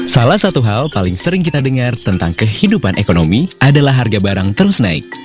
salah satu hal paling sering kita dengar tentang kehidupan ekonomi adalah harga barang terus naik